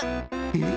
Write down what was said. えっ？